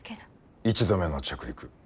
１度目の着陸。